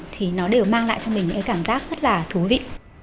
thì nó đều mang lại cho mình những cảm giác rất là thú vị